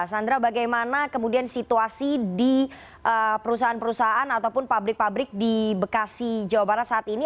sandra bagaimana kemudian situasi di perusahaan perusahaan ataupun pabrik pabrik di bekasi jawa barat saat ini